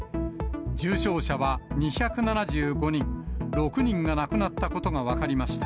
重症者は２７５人、６人が亡くなったことが分かりました。